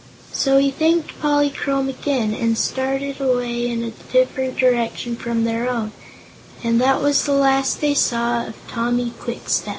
So he thanked Polychrome again and started away in a different direction from their own, and that was the last they saw of Tommy Kwikste